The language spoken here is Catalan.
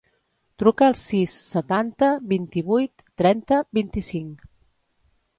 Truca al sis, setanta, vint-i-vuit, trenta, vint-i-cinc.